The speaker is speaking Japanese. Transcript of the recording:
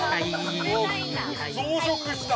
◆増殖した。